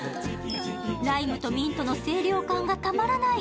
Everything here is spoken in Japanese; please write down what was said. ライムとミントの清涼感がたまらない。